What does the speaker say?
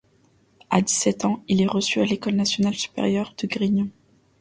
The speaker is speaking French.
A dix-sept ans il est reçu à l'Ecole Nationale Supérieure de Grignon.